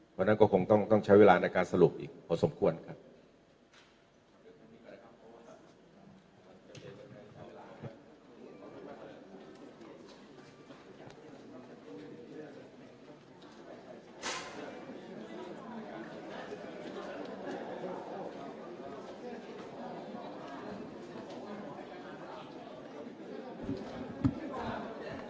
เพราะฉะนั้นก็คงต้องใช้เวลาในการสรุปอีกพอสมควรครับ